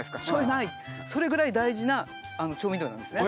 それぐらい大事な調味料なんですね。